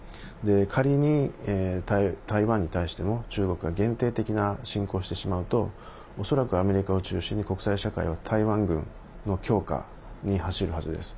仮に台湾に対しても、中国が限定的な侵攻をしてしまうと恐らく、アメリカを中心に国際社会は台湾軍の強化に走るはずです。